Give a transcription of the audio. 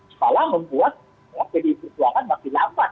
salah membuat pdi perjuangan masih lambat